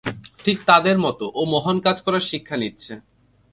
ঠিক তাদের মতো, ও মহান কাজ করার শিক্ষা নিচ্ছে।